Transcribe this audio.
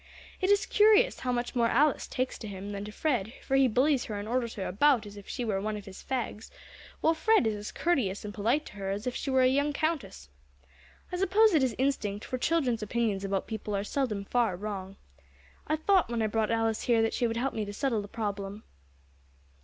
It is curious how much more Alice takes to him than to Fred, for he bullies her and orders her about as if she were one of his fags, while Fred is as courteous and polite to her as if she were a young Countess. I suppose it is instinct, for children's opinions about people are seldom far wrong. I thought when I brought Alice here that she would help me to settle the problem."